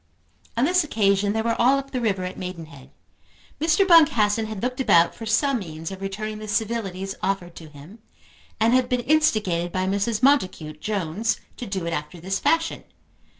On this occasion they were all up the river at Maidenhead. Mr. Boncassen had looked about for some means of returning the civilities offered to him, and had been instigated by Mrs. Montacute Jones to do it after this fashion.